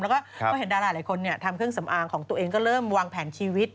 แล้วก็เห็นดาราหลายคนทำเครื่องสำอางของตัวเองก็เริ่มวางแผนชีวิต